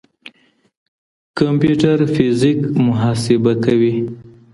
کمپيوټر فزيک محاسبه کوي.